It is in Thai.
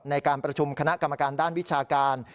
ในการประชุมคณะกรรมการด้านวิชาการ